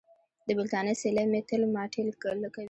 د بېلتانه سیلۍ مې تېل ماټېل کوي.